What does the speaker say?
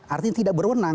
artinya tidak berwenang